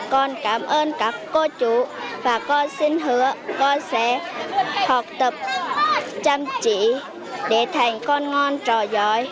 con cảm ơn các cô chủ và con xin hứa con sẽ học tập chăm chỉ để thành con ngon trò giỏi